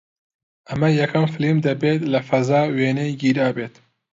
ئەمە یەکەم فیلم دەبێت لە فەزا وێنەی گیرابێت